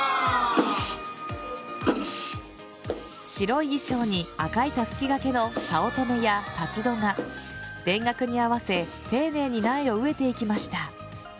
白い衣装に赤いたすきがけの早乙女や田道人が、田楽に合わせて丁寧に苗を植えていきました。